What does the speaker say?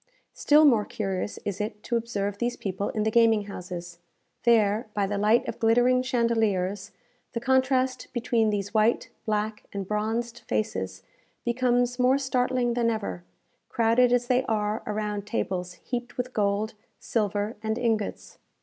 Still more curious is it to observe these people in the gaming houses. There, by the light of glittering chandeliers, the contrast between these white, black, and bronzed faces becomes more startling than ever, crowded as they are around tables heaped with gold, silver, and ingots.